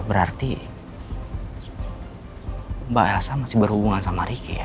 berarti mbak elsa masih berhubungan sama ricky ya